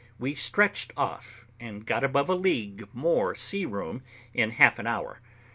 we stretched off, and got above a league more sea room in half an hour.